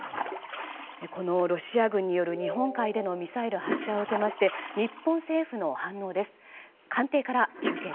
このロシア軍による日本海でのミサイル発射を受けまして日本政府の反応です。